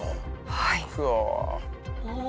はい。